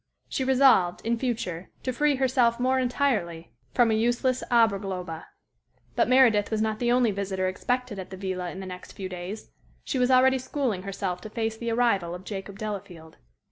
She resolved, in future, to free herself more entirely from a useless Aberglaube. But Meredith was not the only visitor expected at the villa in the next few days. She was already schooling herself to face the arrival of Jacob Delafield.